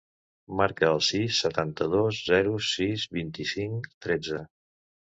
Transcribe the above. Marca el sis, setanta-dos, zero, sis, vint-i-cinc, tretze.